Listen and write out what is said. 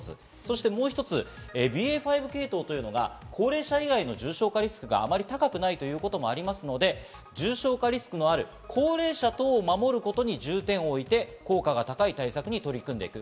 そしてもう一つ、ＢＡ．５系統というのが高齢者以外の重症化リスクがあまり高くないということもありますので重症化リスクのある高齢者等を守ることに重点を置いて効果が高い対策に取り組んでいく。